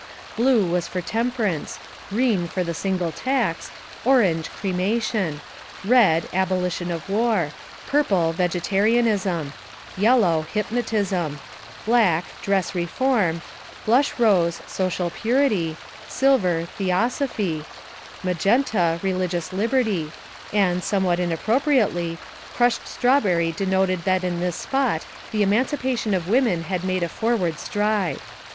Blue was for Temperance, green for the Single Tax, orange, Cremation; red, Abolition of War; purple, Vegetarianism; yellow, Hypnotism; black, Dress Re form; blush rose, Social Purity; silver, Theosophy; magenta^ Religious Liberty; and, somewhat inappro priately, crushed strawberry denoted that in this spot the Emancipation of Women had made a forward stride.